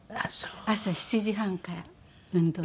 朝７時半から運動して。